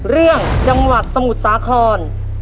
เรื่องจังหวัดสมุทรสาคร